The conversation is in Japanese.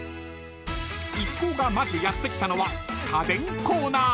［一行がまずやって来たのは家電コーナー］